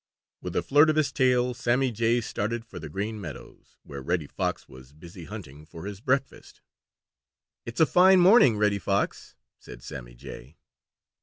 With a flirt of his tail Sammy Jay started for the Green Meadows, where Reddy Fox was busy hunting for his breakfast. "It's a fine morning, Reddy Fox," said Sammy Jay.